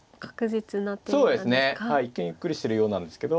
一見ゆっくりしてるようなんですけど。